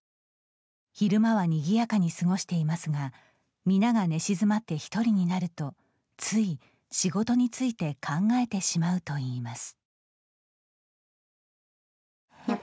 昼間はにぎやかに過ごしていますが皆が寝静まって１人になるとつい仕事について考えてしまうといいます。